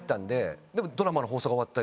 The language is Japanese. でも。